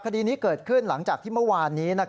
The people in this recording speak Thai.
คดีนี้เกิดขึ้นหลังจากที่เมื่อวานนี้